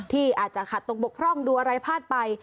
ที่อาจจะขาดตกบกพร่องดูอะไรพลาดไป